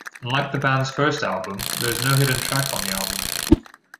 Unlike the band's first album, there is no hidden track on the album.